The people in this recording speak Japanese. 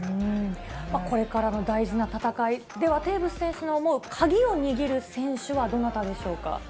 これからの大事な戦い、では、テーブス選手の思う鍵を握る選手はどなたでしょうか。